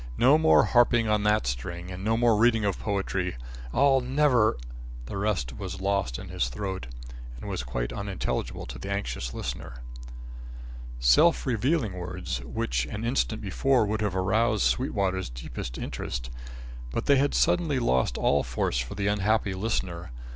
No more harping on that string, and no more reading of poetry. I'll never, " The rest was lost in his throat and was quite unintelligible to the anxious listener. Self revealing words, which an instant before would have aroused Sweetwater's deepest interest! But they had suddenly lost all force for the unhappy listener.